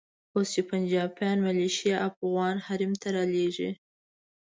اوس چې پنجابیان ملیشې افغان حریم ته رالېږي.